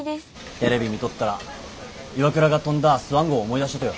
テレビ見とったら岩倉が飛んだスワン号思い出したとよ。